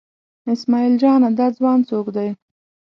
اسمعیل جانه دا ځوان څوک دی؟